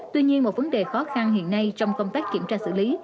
tuy nhiên một vấn đề khó khăn hiện nay trong công tác kiểm tra xử lý